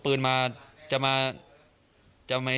พี่เขาลงมาจากรถ